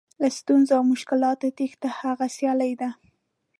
له ستونزو او مشکلاتو تېښته هغه سیالي ده.